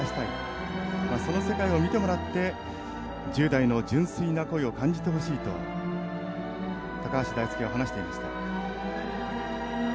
その世界を見てもらって１０代の純粋な恋を感じてほしいと橋大輔は話していました。